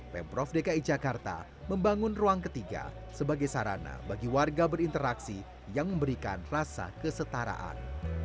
pemprov dki jakarta membangun ruang ketiga sebagai sarana bagi warga berinteraksi yang memberikan rasa kesetaraan